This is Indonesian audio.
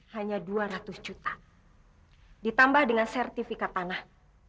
hanya dua ratus juta ditambah dengan sertifikat tanah